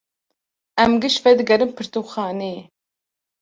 Em giş vedigerin pirtûkxaneyê.